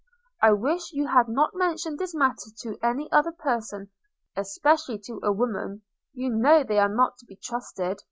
I wish you had not mentioned this matter to any other person, especially to a woman – You know they are not to be trusted.'